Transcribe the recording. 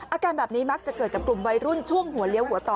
อาการแบบนี้มักจะเกิดกับกลุ่มวัยรุ่นช่วงหัวเลี้ยวหัวต่อ